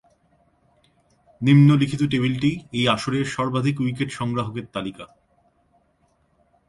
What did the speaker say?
নিম্নলিখিত টেবিলটি এই আসরের সর্বাধিক উইকেট সংগ্রাহকের তালিকা।